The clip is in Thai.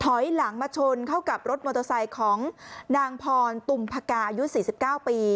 ถอยหลังมาชนเข้ากับรถมอเตอร์ไซค์ของนางพรตุมพกาอายุ๔๙ปี